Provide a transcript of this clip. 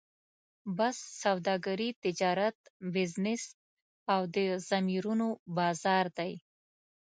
بس سوداګري، تجارت، بزنس او د ضمیرونو بازار دی.